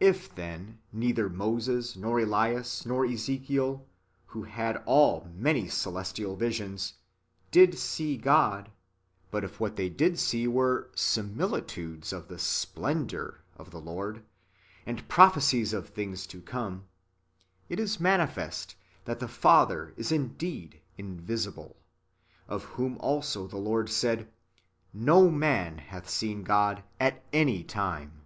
If, then, neither Moses, nor Elias, nor Ezekiel, who had all many celestial visions, did see God ; but if what they did see w^ere similitudes of the splendour of the Lord, and pro phecies of things to come ; it is manifest that the Father is indeed invisible, of whom also the Lord said, "No man hath seen God at any time."